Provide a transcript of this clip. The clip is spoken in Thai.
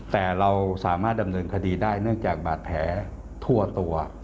แต่เราสามารถดำเนินคดีได้เนื่องจากบาดแผลทั่วตัว